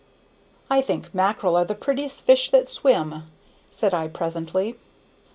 "I think mackerel are the prettiest fish that swim," said I presently.